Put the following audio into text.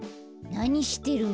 なにしてるの？